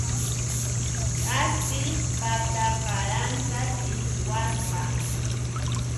K'aspiq pata qaranta t'iqwasqa.